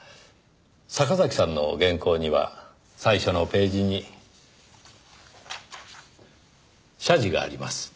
坂崎さんの原稿には最初のページに謝辞があります。